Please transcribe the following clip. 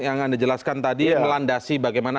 yang anda jelaskan tadi melandasi bagaimana